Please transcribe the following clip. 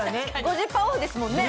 ５０％オフですもんね。